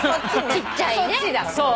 ちっちゃいね。